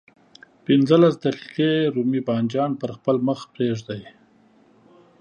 پنځلس دقيقې رومي بانجان په خپل مخ پرېږدئ.